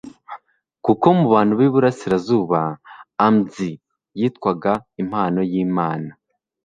kuko mu bantu b’iburasirazuba amzi yitwaga impano y’Imana.